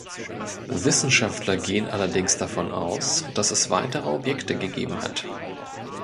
Wissenschaftler gehen allerdings davon aus dass es weitere Objekte gegeben hat.